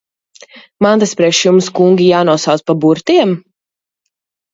Man tas priekš jums, kungi, jānosauc pa burtiem?